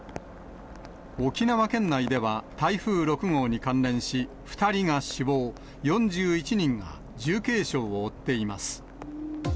沖縄県内では、台風６号に関連し、２人が死亡、４１人が重軽傷を負っています。